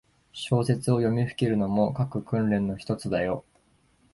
小説を読みふけるのも、書く訓練のひとつだよ。